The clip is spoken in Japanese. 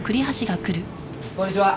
こんにちは。